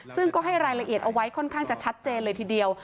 ซึ่งก็ให้รายละเอียดเอาไว้ค่อนข้างจะชัดเจนเลยทีเดียว